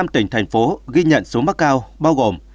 năm tỉnh thành phố ghi nhận số mắc cao bao gồm